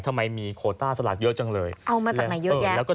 ทำไมมีโคต้าสลากเยอะจังเลยเอามาจากไหนเยอะแยะแล้วก็